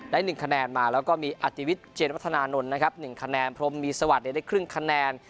๑คะแนนมาแล้วก็มีอธิวิทยเจนวัฒนานนท์นะครับ๑คะแนนพรมมีสวัสดิ์ได้ครึ่งคะแนน